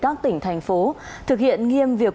các tỉnh thành phố thực hiện nghiêm việc